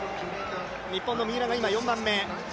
日本の三浦が今、４番目。